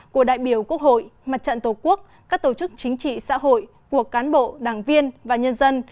của đại biểu quốc hội mặt trận tổ quốc các tổ chức chính trị xã hội của cán bộ đảng viên và nhân dân